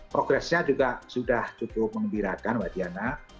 progresnya juga sudah cukup mengembirakan